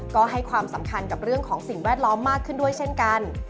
ก็ให้ความสำคัญกับเรื่องของสิ่งแวดล้อมมากขึ้นด้วยเช่นกัน